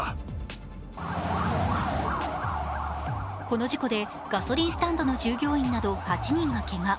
この事故でガソリンスタンドの従業員など８人がけが。